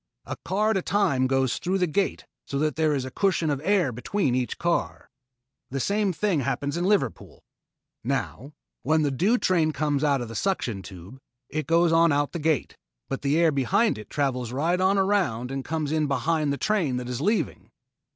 A car at a time goes through the gate so that there is a cushion of air between each car. The same thing happens at Liverpool. Now, when the due train comes out of the suction tube, it goes on out the gate, but the air behind it travels right on around and comes in behind the train that is leaving."